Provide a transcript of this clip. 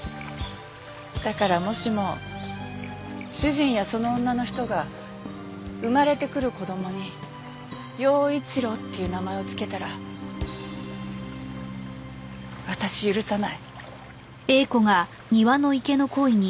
だからもしも主人やその女の人が生まれてくる子供に耀一郎っていう名前を付けたら私許さない。